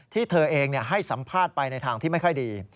เธอเองให้สัมภาษณ์ไปในทางที่ไม่ค่อยดี